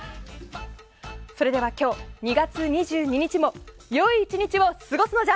それでは、今日２月２２日も良い１日を過ごすのじゃ！